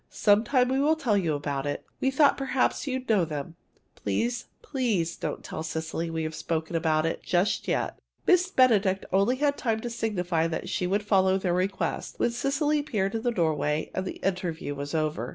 "Sometime we will tell you all about it. We thought perhaps you'd know them. Please please don't tell Cecily we've spoken about it just yet." Miss Benedict had only time to signify that she would follow their request, when Cecily appeared in the doorway and the interview was over.